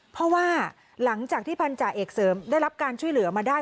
เพราะว่าหลังจากที่พันธาเอกเสริมได้รับการช่วยเหลือมาได้